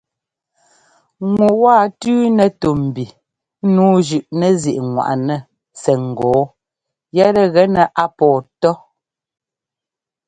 Ŋu waa tʉ́nɛ tú mbi nǔu zʉꞌnɛzíꞌŋwaꞌnɛ sɛ́ ŋ́gɔɔ yɛtɛ gɛnɛ a pɔɔ tɔ́.